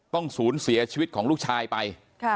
ศูนย์เสียชีวิตของลูกชายไป